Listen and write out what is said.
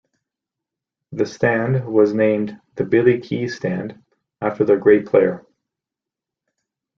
The stand was named 'The Billy Kee Stand' after their great player.